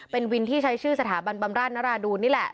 เป็นวินที่ใช้ชื่อสถาบันบำราชนราดูนนี่แหละ